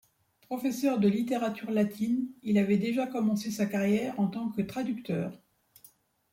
Professeur de littérature latine, il avait déjà commencé sa carrière en tant que traducteur.